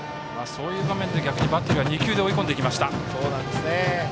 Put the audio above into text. そういう場面でバッテリー２球で追い込みました。